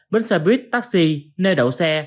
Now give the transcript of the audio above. bến xe buýt taxi nơi đậu xe